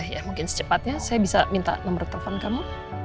ya mungkin secepatnya saya bisa minta nomor telepon kamu